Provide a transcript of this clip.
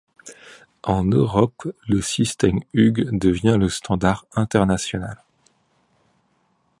En Europe, le système Hughes devient le standard international.